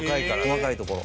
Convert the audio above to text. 細かいところ。